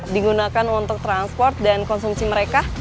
digunakan untuk transport dan konsumsi mereka